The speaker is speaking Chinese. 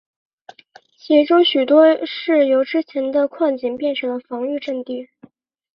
其中许多是由之前的矿井变成了防御阵地。